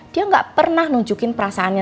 dia gak pernah nunjukin perasaannya